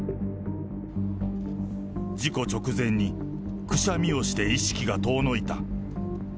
事故直前にくしゃみをして意識が遠のいた。